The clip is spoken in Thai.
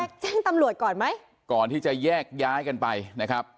แจ้งตำรวจก่อนไหมก่อนที่จะแยกย้ายกันไปนะครับ